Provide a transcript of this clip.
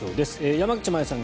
山口真由さん